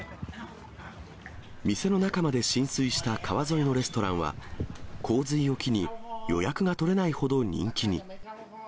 店の中まで浸水した川沿いのレストランは、洪水を機に、予約が取れないほど人気に。